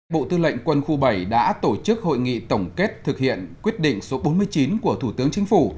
bộ tư lệnh quân khu bảy đã tổ chức hội nghị tổng kết thực hiện quyết định số bốn mươi chín của thủ tướng chính phủ